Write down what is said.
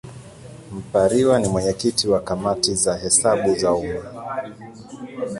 Mpariwa ni mwenyekiti wa Kamati ya Hesabu za Umma.